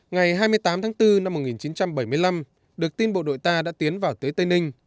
ngày hai mươi tám tháng bốn năm một nghìn chín trăm bảy mươi năm được tin bộ đội ta đã tiến vào tới tây ninh